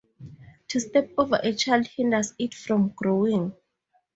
To step over a child hinders it from growing.